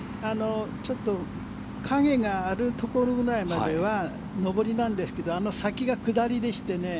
ちょっと影があるところぐらいまでは上りなんですけどあの先が下りでしてね。